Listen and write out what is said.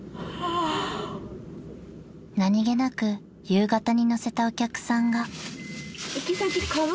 ［何げなく夕方に乗せたお客さんが］